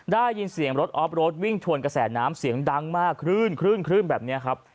ได้ยินเสียงรถออฟรถวิ่งชวนกระแสน้ำเสียงดังมากคลื่นคลื่นแบบนี้ครับ